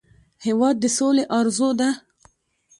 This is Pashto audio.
هېواد د سولې ارزو ده.